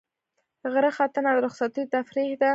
غره ختنه د رخصتیو تفریح ده.